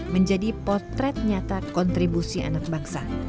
menjadi potret nyata kontribusi anak bangsa